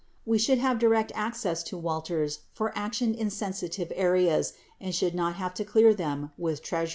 We should have direct access to Walters for action in the sensitive areas and should not have to clear them with Treasury.